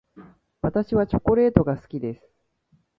私はチョコレートが好きです。